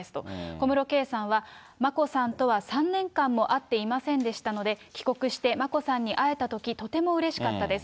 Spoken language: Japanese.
小室圭さんは、眞子さんとは３年間も会っていませんでしたので、帰国して眞子さんに会えたとき、とてもうれしかったです。